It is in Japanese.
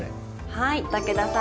はい武田さん。